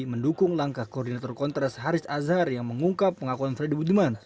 mendukung langkah koordinator kontras haris azhar yang mengungkap pengakuan freddy budiman